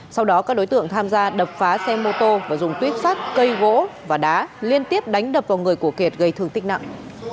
sau đó các đối tượng tham gia đập phá xe mô tô và dùng tuyết sắt cây gỗ và đá liên tiếp đánh đập vào người của kiệt gây thương tích nặng